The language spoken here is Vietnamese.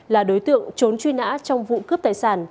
là đối tượng trốn truy nã trong vụ cướp tài sản